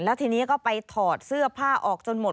แล้วทีนี้ก็ไปถอดเสื้อผ้าออกจนหมด